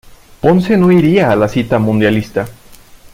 Ponce no iría a la cita mundialista.